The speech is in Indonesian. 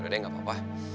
udah deh gak apa apa